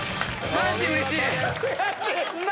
マジでうれしい！